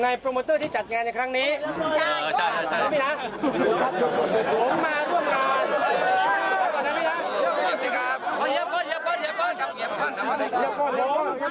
เยี่ยมพ่อ